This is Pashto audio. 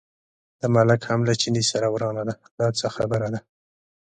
د ملک هم له چیني سره ورانه ده، دا څه خبره ده.